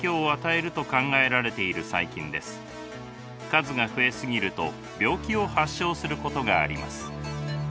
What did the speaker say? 数が増え過ぎると病気を発症することがあります。